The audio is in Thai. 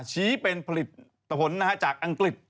ชี้เป็นผลิตตะพนนะฮะจากอังกฤษ